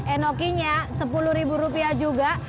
enokinya rp sepuluh juga